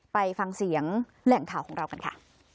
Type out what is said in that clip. ไปฟังเสียงแหล่งข่าวของเรากันค่ะ